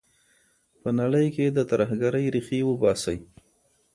په نړۍ کي د ترهګرۍ ریښې وباسئ.